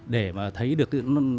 để mà thấy được